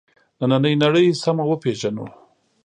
نننۍ نړۍ سمه وپېژنو.